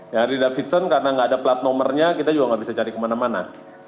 yang harley davidson karena tidak ada plat nomernya kita juga tidak bisa cari kemana mana